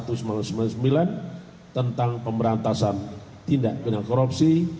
undang undang tiga ratus sembilan belas sembilan puluh sembilan tentang pemberantasan tidak pinalah korupsi